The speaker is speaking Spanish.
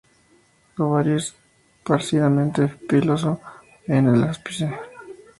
Ovario esparcidamente piloso en el ápice.